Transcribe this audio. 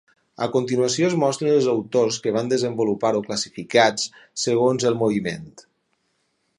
A continuació es mostren els autors que van desenvolupar-ho classificats segons el moviment.